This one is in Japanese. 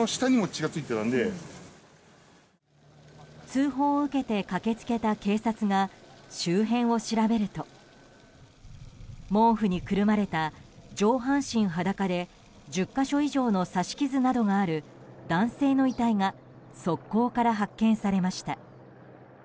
通報を受けて駆け付けた警察が周辺を調べると毛布にくるまれた上半身裸で１０か所以上の刺し傷などがある男性の遺体が側溝から発見されました。